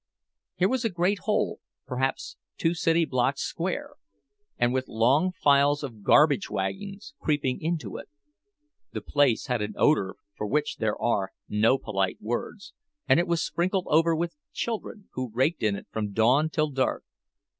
Here was a great hole, perhaps two city blocks square, and with long files of garbage wagons creeping into it. The place had an odor for which there are no polite words; and it was sprinkled over with children, who raked in it from dawn till dark.